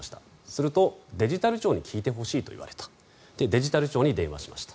すると、デジタル庁に聞いてほしいと言われてデジタル庁に電話しました。